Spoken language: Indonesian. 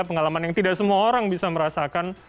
pengalaman yang tidak semua orang bisa merasakan